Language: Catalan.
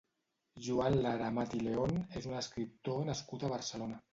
Joan Lara Amat i León és un escriptor nascut a Barcelona.